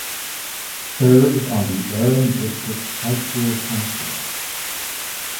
Serves on the Erin District high school council.